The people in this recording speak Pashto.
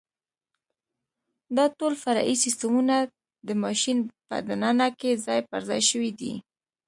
دا ټول فرعي سیسټمونه د ماشین په دننه کې ځای پرځای شوي دي.